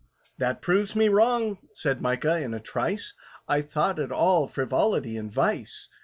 "That proves me wrong," said MICAH, in a trice: "I thought it all frivolity and vice."